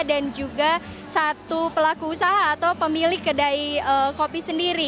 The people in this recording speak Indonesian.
dan juga satu pelaku usaha atau pemilik kedai kopi sendiri